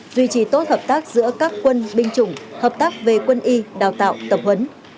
duy trì tốt hợp tác giữa các quân binh chủng hợp tác về quân y đào tạo tập huấn